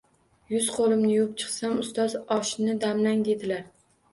Yuz qo’limni yuvib chiqsam ustoz: — “oshni damlang”? – dedilar.